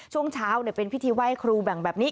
ช่วงเช้าเป็นพิธีไหว้ครูแบ่งแบบนี้